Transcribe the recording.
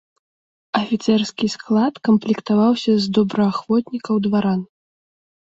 Афіцэрскі склад камплектаваўся з добраахвотнікаў-дваран.